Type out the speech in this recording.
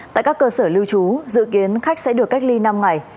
tại các cơ sở lưu trú dự kiến khách sẽ được cách ly năm ngày